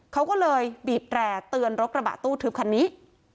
เขาก็เลยบีบแร่เตือนรถกระบะตู้ทึบคันนี้